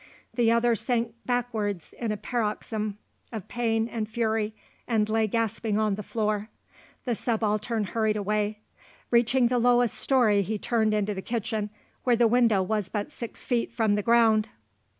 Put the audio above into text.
The other sank backwards in a paroxysm of pain and fury and lay gasping on the floor. The Subaltern hurried away. Reaching the lowest storey he turned into the kitchen, where the window was but six feet from the ground.